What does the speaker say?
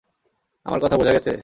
আমার কথা বুঝা গেছে?